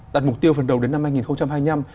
đặt mục tiêu phần đầu đến năm hai nghìn hai mươi năm